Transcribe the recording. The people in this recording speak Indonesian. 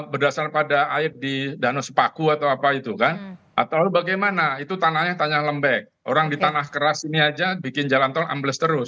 berdasar pada air di danau sepaku atau apa itu kan atau bagaimana itu tanahnya tanah lembek orang di tanah keras ini aja bikin jalan tol ambles terus